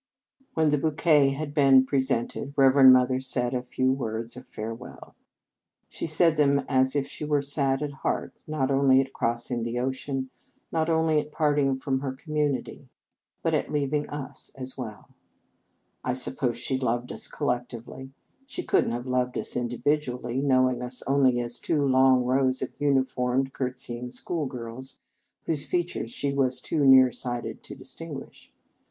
When the bouquet had been pre sented, Reverend Mother said a few words of farewell. She said them as if she were sad at heart, not only at crossing the ocean, not only at parting from her community, but at leaving us, 214 Reverend Mother s Feast as well. I suppose she loved us col lectively. She could n t have loved us individually, knowing us only as two long rows of uniformed, curtsying schoolgirls, whose features she was too near sighted to distinguish.